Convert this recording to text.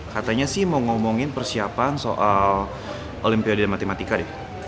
katanya sih mau ngomongin persiapan soal olimpiade dan matematika deh